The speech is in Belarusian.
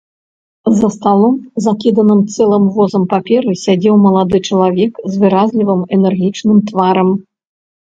За сталом, закіданым цэлым возам паперы, сядзеў малады чалавек з выразлівым энергічным тварам.